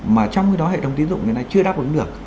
mà trong cái đó hệ thống tiến dụng này chưa đáp ứng được